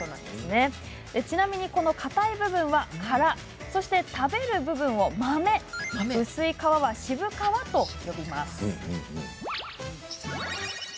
ちなみに、このかたい部分は殻食べる部分を豆薄い皮は渋皮と呼ぶんです。